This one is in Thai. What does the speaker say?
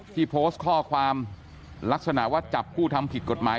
ที่โพสต์ข้อความลักษณะว่าจับผู้ทำผิดกฎหมาย